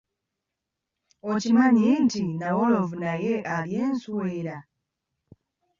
Okimanyi nti nnawolovu naye alya enswera?